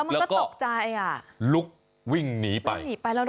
แล้วก็ลุกวิ่งหนีไป